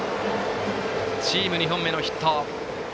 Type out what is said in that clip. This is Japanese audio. チーム２本目のヒット。